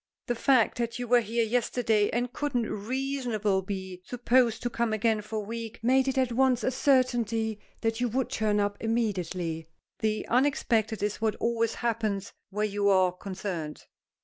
"The fact that you were here yesterday and couldn't reasonably be supposed to come again for a week, made it at once a certainty that you would turn up immediately. The unexpected is what always happens where you are concerned."